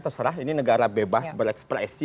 terserah ini negara bebas berekspresi